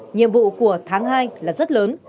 nhiệm vụ của tháng hai là rất lớn